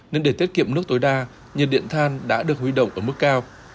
nên để tiết kiệm nước tối đa nhiệt điện than đã được huy động ở mức cao